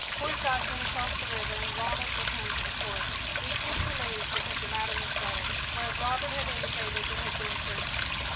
Forsyth went across the river and Ronald returned to the Fort. Each was relieved because the matter was settled, for, as Robert had indicated, there had been friction.